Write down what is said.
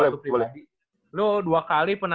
pribadi lo dua kali pernah